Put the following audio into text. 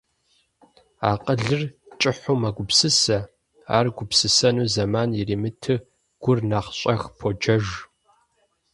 Акъылыр кӀыхьу мэгупсысэ, ар гупсысэну зэман иримыту гур нэхъ щӀэх поджэж.